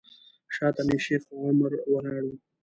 شاته مې شیخ عمر ولاړ و.